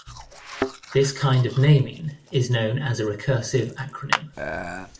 This kind of naming is known as a "recursive acronym".